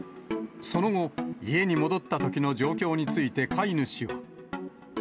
その後、家に戻ったときの状況について、飼い主は。